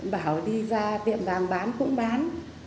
bảo đi ra tiệm vàng bán cũng bán